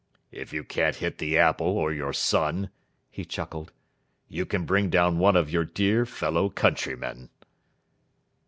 "If you can't hit the apple or your son," he chuckled, "you can bring down one of your dear fellow countrymen."